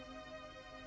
aku sudah berjalan